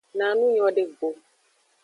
Na nu nyode go.